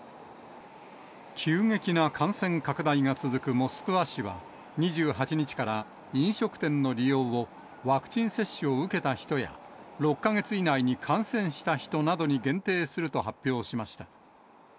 急激な感染拡大が続くモスクワ市は、２８日から飲食店の利用をワクチン接種を受けた人や、６か月以内に感染した人などに限定すると発表しました。